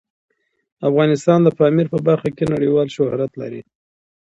افغانستان د پامیر په برخه کې نړیوال شهرت لري.